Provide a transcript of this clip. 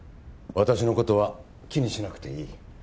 私の事は気にしなくていい。